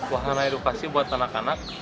wahana edukasi buat anak anak